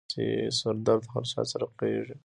سردرد هر چا سره کېږي.